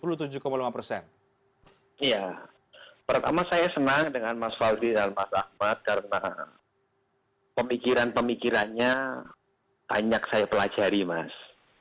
ya pertama saya senang dengan mas faldi dan mas ahmad karena pemikiran pemikirannya banyak saya pelajari mas